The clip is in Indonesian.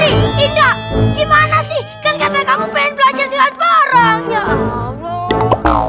indah gimana sih kan kata kamu pengen belajar silat bareng ya